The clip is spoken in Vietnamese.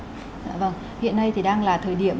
hiện nay thì đang là thời điểm